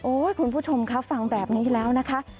คุณผู้ชมคะฟังแบบนี้แล้วนะคะ